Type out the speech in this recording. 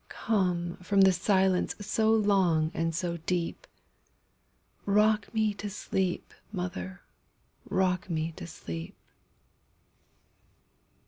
Come from the silence so long and so deep;—Rock me to sleep, mother,—rock me to sleep!